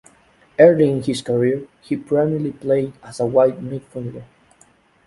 Earlier in his career, he primarily played as a wide midfielder.